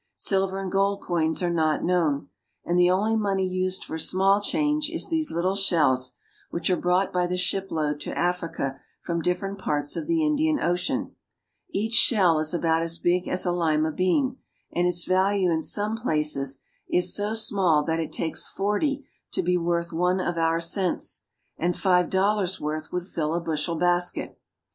Silver and gold coins are not known ; and the only money used for small change is these little shells, which are brought by the ship load to Africa from different parts of the Indian Ocean. Each shell is about as big as a lima bean, and its value in some places is so small that it takes forty to he worth one of our cents, and five dollars' worth would fill a bushel basket.